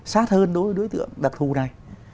sát hơn đối với đối tượng đặc thù này